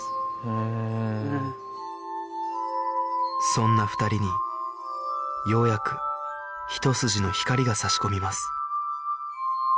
そんな２人にようやくひと筋の光が差し込みます